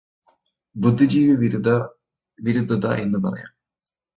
ബുദ്ധിജീവി വിരുദ്ധത എന്നു പറയാം.